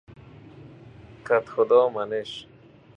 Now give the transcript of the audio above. کدخدا منش